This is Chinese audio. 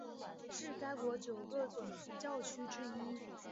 是该国九个总教区之一。